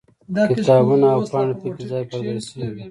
کتابونه او پاڼې پکې ځای پر ځای شوي وي.